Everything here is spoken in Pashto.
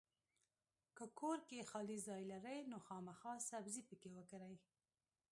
کۀ کور کې خالي ځای لرئ نو خامخا سبزي پکې وکرئ!